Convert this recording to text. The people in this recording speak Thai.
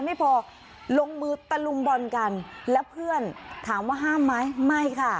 ไม่พอลงมือตะลุมบอลกันและเพื่อนถามว่าห้ามไหมไม่ค่ะ